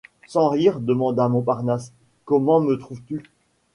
Sans rire, demanda Montparnasse, comment me trouves-tu ?